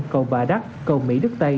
cầu bà đắc cầu mỹ đức tây